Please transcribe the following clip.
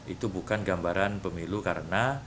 itu bukan gambaran pemilu karena